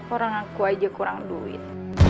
orang aku aja kurang duit